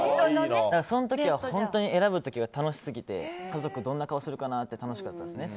その時は本当に選ぶ時が楽しすぎて家族どんな顔するかなって楽しかったですね。